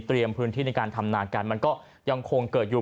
พื้นที่ในการทำนากันมันก็ยังคงเกิดอยู่